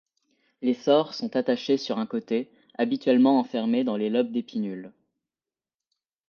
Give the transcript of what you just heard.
Les sores sont attachés sur un côté, habituellement enfermés dans les lobes des pinnules.